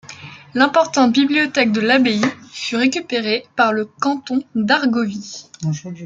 L'importante bibliothèque de l'abbaye fut récupérée par le canton d'Argovie.